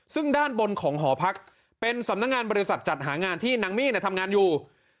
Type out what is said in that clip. ซึ่งด้านบนของหอพักเป็นสำนักงานบริษัทจัดหางานที่นางมี่ทำงานอยู่